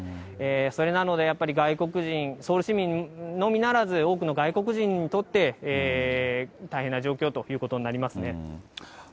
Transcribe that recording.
それなので、やっぱり外国人、ソウル市民のみならず、多くの外国人にとって、大変な状況ということになりますね。